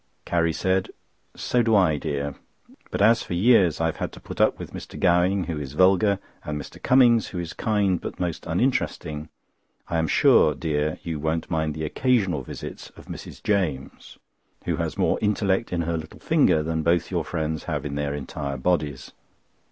Carrie said: "So do I, dear; but as for years I have had to put up with Mr. Gowing, who is vulgar, and Mr. Cummings, who is kind but most uninteresting, I am sure, dear, you won't mind the occasional visits of Mrs. James, who has more intellect in her little finger than both your friends have in their entire bodies."